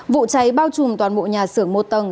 vụ cháy bao trùm toàn bộ nhà xưởng một tầng